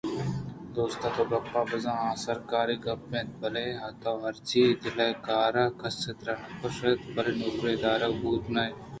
دوست ! تو گپ ءَ بزاں آ سرکاری گپ اَنت بلئے تو ہرچی ءَ د ل ءَ کار ے کس ءَ ترا نہ کشّیتگ بلئے نوکری ءَ دارگ بوت نہ بئے